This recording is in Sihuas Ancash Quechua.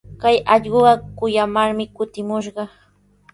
Kay allquqa kuyamarmi kutimushqa.